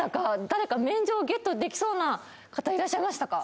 誰か免状をゲットできそうな方いらっしゃいましたか？